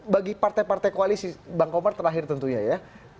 bagi partai partai koalisi bang komar terakhir tentunya ya